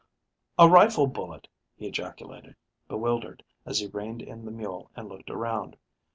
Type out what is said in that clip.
"A rifle bullet," he ejaculated, bewildered, as he reined in the mule and looked around.